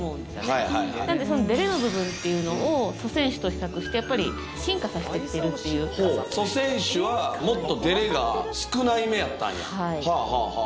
確かにはいはいなのでそのデレの部分っていうのを祖先種と比較してやっぱり進化させてきてるというほう祖先種はもっとデレが少ないめだったんやはあはあはい